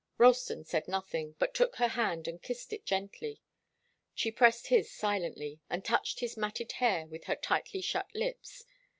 Ralston said nothing, but took her hand and kissed it gently. She pressed his silently, and touched his matted hair with her tightly shut lips.